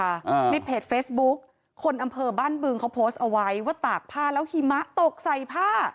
อ่าในเพจเฟซบุ๊คคนอำเภอบ้านบึงเขาโพสต์เอาไว้ว่าตากผ้าแล้วหิมะตกใส่ผ้า